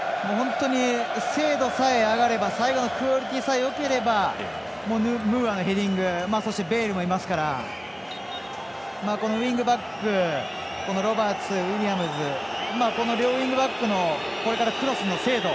精度さえ上がれば最後のクオリティーさえよければムーアのヘディングベイルもいますからこのウィングバックロバーツ、ウィリアムズこの両ウィングバックのクロスの精度